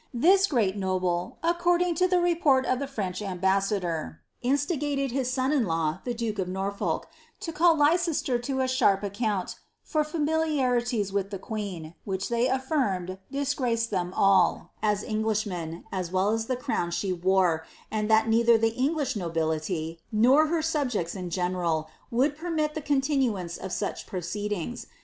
T great noble, according to the report of the French ambassador,' in gated his son in law, the duke of Norfolk, to call Leicester to a sh account for familiarities with the queen, which they alfirmed disgra tliem all, as Englishmen, as well the crown she wore, and that neit the English nobility nor her subjects in general would permit the c tinuancB of such proceedings.